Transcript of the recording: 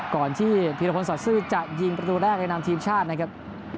ก่อนที่พีรพลสอดซื่อจะยิงประตูแรกในนามทีมชาตินะครับ